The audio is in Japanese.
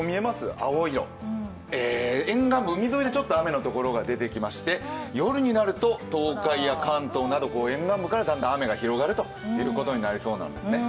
青い色、沿岸部、海沿いで雨のところが出てきまして、夜になると東海や関東など沿岸部からだんだん雨が広がるということになりそうなんです。